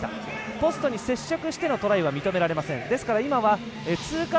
ポストに接触してのトライは認められません。